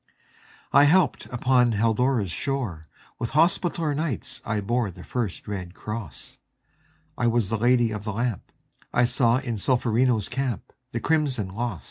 I helped upon Haldora's shore; With Hospitaller Knights I bore The first red cross; I was the Lady of the Lamp; I saw in Solferino's camp The crimson loss.